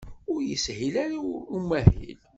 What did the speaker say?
Ur yeshil ara i umahil